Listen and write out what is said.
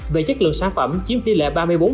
về chất lượng sản phẩm chiếm tỷ lệ ba mươi bốn